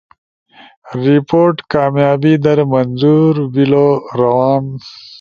رپورٹ کامیابی در منظور بیلو، روان